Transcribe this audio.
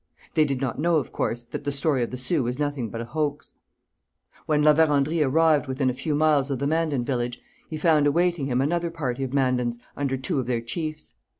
They did not know, of course, that the story of the Sioux was nothing but a hoax. When La Vérendrye arrived within a few miles of the Mandan village, he found awaiting him another party of Mandans under two of their chiefs.